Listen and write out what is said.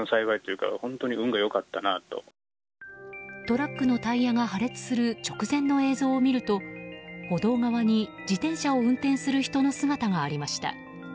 トラックのタイヤが破裂する直前の映像を見ると歩道側に自転車を運転する人の姿がありました。